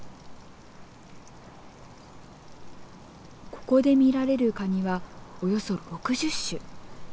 ここで見られるカニはおよそ６０種。